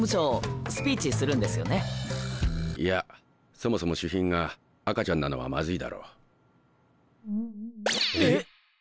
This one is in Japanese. そもそも主賓が赤ちゃんなのはまずいだろう。え。